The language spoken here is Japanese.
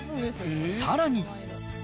さらに。